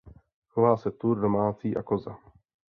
Chová se tur domácí a koza.